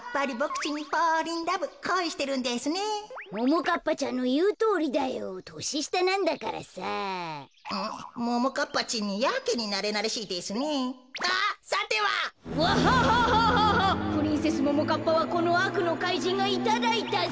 プリンセスももかっぱはこのあくのかいじんがいただいたぞ。